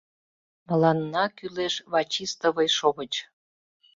Мыланна кӱлеш вачистывый шовыч.